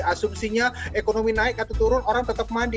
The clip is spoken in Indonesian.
asumsinya ekonomi naik atau turun orang tetap mandi